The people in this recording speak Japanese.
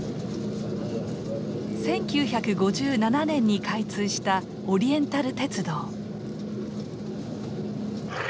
１９５７年に開通したオリエンタル鉄道。